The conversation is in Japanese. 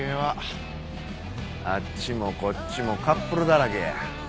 あっちもこっちもカップルだらけや。